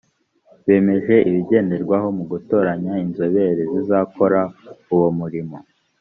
bemeje ibigenderwaho mu gutoranya inzobere zizakora uwo murimo